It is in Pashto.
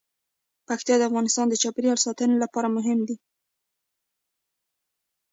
پکتیکا د افغانستان د چاپیریال ساتنې لپاره مهم دي.